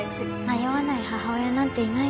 迷わない母親なんていないわ。